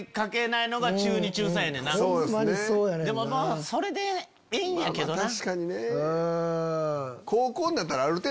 でもそれでええんやけどな。